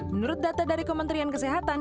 menurut data dari kementerian kesehatan